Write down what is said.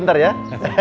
ya terima kasih